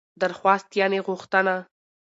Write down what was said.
درخواست √غوښتنه